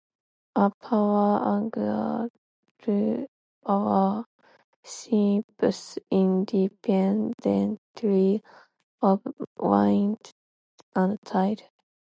A new power urges our ships independently of wind and tide.